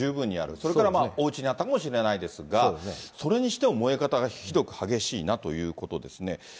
それからおうちあったかもしれないですが、それにしても燃え方がひどく激しいなということですね。